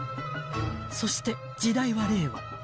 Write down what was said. ［そして時代は令和］